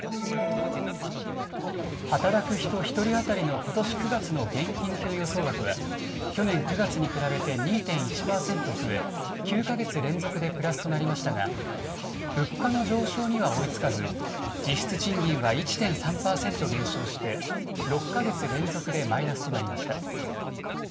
働く人１人当たりのことし９月の現金給与総額は去年９月に比べて２．１％増え、９か月連続でプラスとなりましたが物価の上昇には追いつかず実質賃金は１．３％減少して６か月連続でマイナスとなりました。